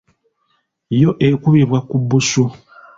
Yo ekubibwa ku bbusu.